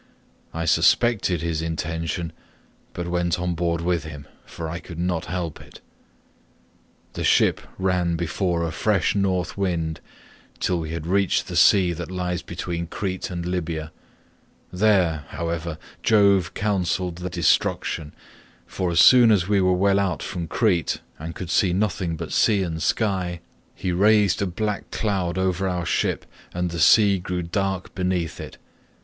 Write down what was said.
I suspected his intention, but went on board with him, for I could not help it. "The ship ran before a fresh North wind till we had reached the sea that lies between Crete and Libya; there, however, Jove counselled their destruction, for as soon as we were well out from Crete and could see nothing but sea and sky, he raised a black cloud over our ship and the sea grew dark beneath it.